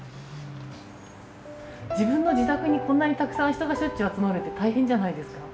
自分の自宅にこんなにたくさん人がしょっちゅう集まるって大変じゃないですか？